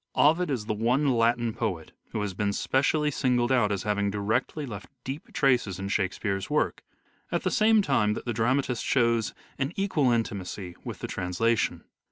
Ovid is the one Latin poet who has been specially singled out as having directly left deep traces in Shakespeare's work, at the same time that the dramatist shows an equal intimacy with the trans lation.